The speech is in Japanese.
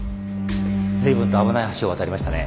ずいぶんと危ない橋を渡りましたね。